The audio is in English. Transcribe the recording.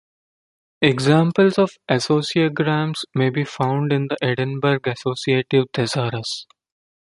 Examples of associagrams may be found in the Edinburgh Associative Thesaurus.